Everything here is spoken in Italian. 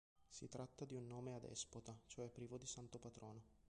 Si tratta di un nome adespota, cioè privo di santo patrono.